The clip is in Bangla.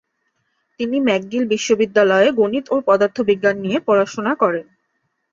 তিনি ম্যাকগিল বিশ্ববিদ্যালয়ে গণিত ও পদার্থবিজ্ঞান নিয়ে পড়াশোনা করেন।